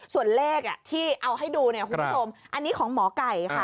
ส่วนเลขที่เอาให้ดูอันนี้ของหมอไก่